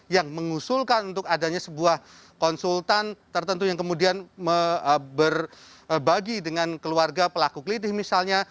yang mengusulkan untuk adanya sebuah konsultan tertentu yang kemudian berbagi dengan keluarga pelaku kelitih misalnya